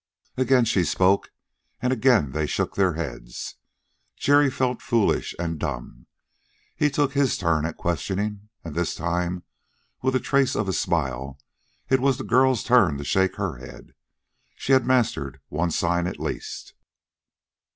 Again she spoke, and again they shook their heads. Jerry felt foolish and dumb. He took his turn at questioning, and this time, with a trace of a smile, it was the girl's turn to shake her head. She had mastered one sign at least.